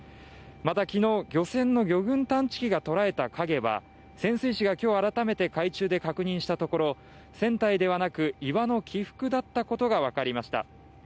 昨日の漁船の魚群探知機が捉えた陰は海中で確認したところ、船体ではなく岩の起伏だったことが分かりました。